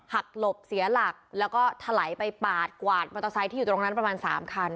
หลบเสียหลักแล้วก็ถลายไปปาดกวาดมอเตอร์ไซค์ที่อยู่ตรงนั้นประมาณ๓คัน